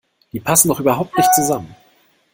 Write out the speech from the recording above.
Die passen doch überhaupt nicht zusammen!